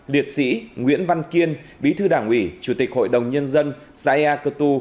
liệt sĩ nguyễn văn kiên bí thư đảng ủy chủ tịch hội đồng nhân dân xã ya cơ tu